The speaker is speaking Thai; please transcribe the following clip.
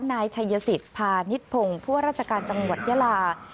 นายชายสิทธิ์พานิดพงศ์เพื่อราชการจังหวัดยลา